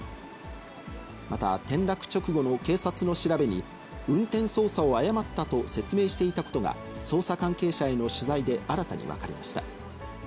また転落直後の警察の調べに、運転操作を誤ったと説明していたことが、捜査関係者への取材で新たに分かりました。